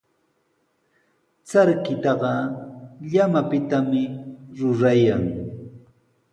Charkitaqa llamapitami rurayan.